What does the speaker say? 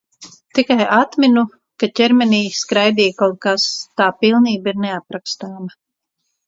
Tikai atminu, ka ķermenī skraidīja kaut kas. Tā pilnība ir neaprakstāma.